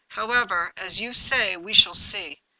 However, as you say, we shall see.